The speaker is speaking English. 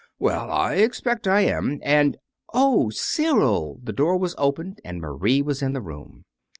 "Well, I expect I am, and " "Oh, Cyril!" The door had opened, and Marie was in the room.